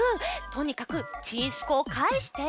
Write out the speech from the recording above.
とにかくちんすこうかえして。